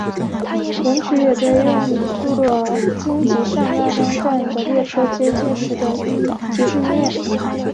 本曲也被用作京急上大冈站的列车接近时的提示音乐。